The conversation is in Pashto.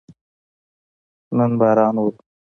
نن باران اوري